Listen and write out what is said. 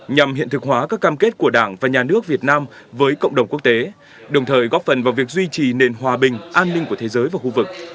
nhằm hiện thực hóa các cam kết của đảng và nhà nước việt nam với cộng đồng quốc tế đồng thời góp phần vào việc duy trì nền hòa bình an ninh của thế giới và khu vực